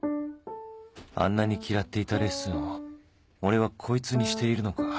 あんなに嫌っていたレッスンを俺はこいつにしているのか？